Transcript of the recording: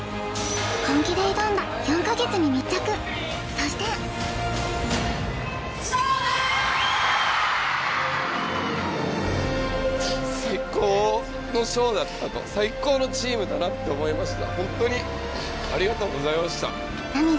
そしてついにそして・最高のショーだったと最高のチームだなと思いました